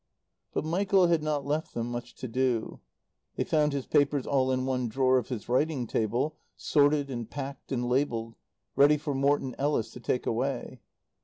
But Michael had not left them much to do. They found his papers all in one drawer of his writing table, sorted and packed and labelled, ready for Morton Ellis to take away.